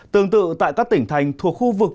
tương tự tại các tỉnh thành thuộc khu vực